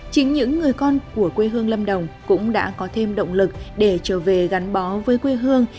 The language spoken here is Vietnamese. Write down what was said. chính những người con của quê hương lâm đồng cũng đã có thêm động lực để trở về gắn bó với quê hương